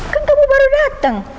kan kamu baru dateng